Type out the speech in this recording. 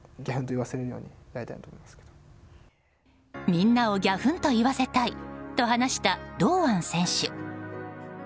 みんなをギャフンと言わせたいと話した堂安選手。